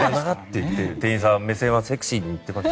店員さんの視線はセクシーにいっていました。